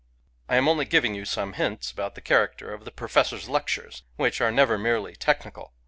••• I am only giving you some hints about the character of the professor's lectures, which are never merely technical.